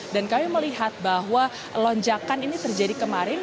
dan kami melihat bahwa lonjakan ini terjadi kemarin